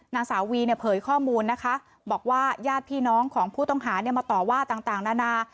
นางสาววีเนี่ยเผยข้อมูลนะคะบอกว่าญาติพี่น้องของผู้ต้องหาเนี่ยมาต่อว่าต่างนานา